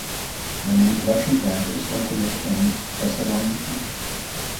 The main production plant is located in Thessaloniki.